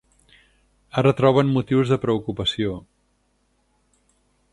Ara troben motius de preocupació.